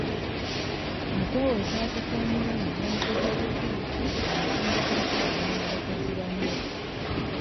Mu kwewozaako kw'omwami yamutegeezezza nti amutendeka nkolagana na bakozi banne.